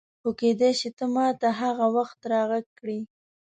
خو کېدای شي ته ما ته هغه وخت راغږ کړې.